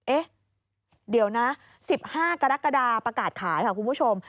เอ๊ะเดี๋ยวนะ๑๕กรกฎาประกาศขายค่ะคุณผู้ชม